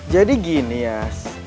jadi gini yas